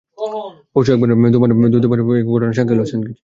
পরশু একবার নয়, দু-দুবার এমন ঘটনার সাক্ষী হলো সেন্ট কিটসের ওয়ার্নার পার্ক।